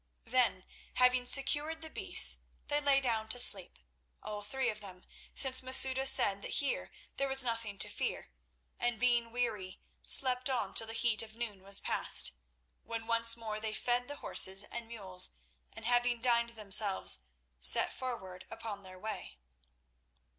Then, having secured the beasts, they lay down to sleep, all three of them, since Masouda said that here there was nothing to fear; and being weary, slept on till the heat of noon was past, when once more they fed the horses and mules, and having dined themselves, set forward upon their way.